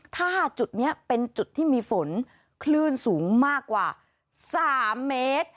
ถ้าจุดนี้เป็นจุดที่มีฝนคลื่นสูงมากกว่า๓เมตร